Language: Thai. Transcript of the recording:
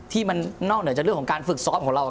ที่มันนอกเหนือจากเรื่องของการฝึกซ้อมของเรา